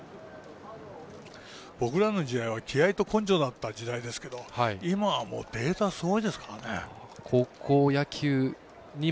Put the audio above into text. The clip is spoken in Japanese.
僕らの時代は気合いと根性だった時代ですけど今は、データすごいですからね。